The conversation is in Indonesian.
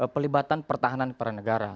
pelibatan pertahanan para negara